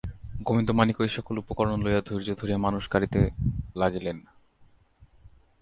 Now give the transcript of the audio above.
গোবিন্দমাণিক্য এই-সকল উপকরণ লইয়া ধৈর্য ধরিয়া মানুষ গড়িতে লাগিলেন।